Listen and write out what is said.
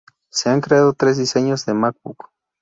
Se han creado tres diseños de MacBook.